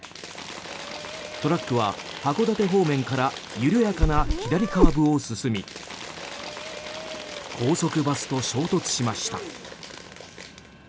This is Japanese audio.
トラックは函館方面から緩やかな左カーブを進み高速バスと衝突しました。